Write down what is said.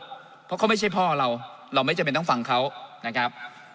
เพราะเขาไม่ใช่พ่อเราเราไม่จำเป็นต้องฟังเขานะครับ